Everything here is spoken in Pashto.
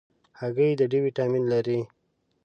هګۍ د D ویټامین لري.